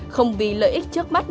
không vì lợi ích trước mắt